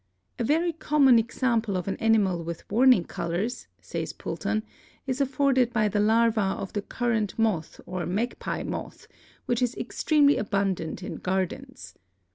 "A very common example of an animal with warning colors," says Poulton, "is afforded by the larva of the Currant Moth or Magpie Moth, which is excessively abundant in gardens.